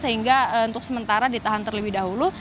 sehingga untuk sementara ditahan terlebih dahulu